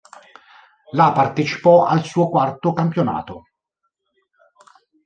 La partecipò al suo quarto campionato.